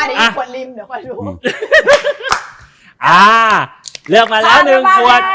ลีลาเดี๋ยวอีกขวดลิมเดี๋ยวก่อนดู